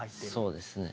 そうですね。